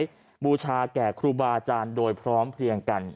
พฤมูลบูรรณสมผู้ชาแก่ครูบาอาจารย์โดยพร้อมเปลี่ยงกัน